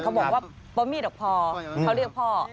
เขาบอกว่าป๊อมีดดอกพอเขาเรียกพ่อ